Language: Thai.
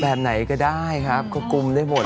แบบไหนก็ได้ครับก็กุมได้หมด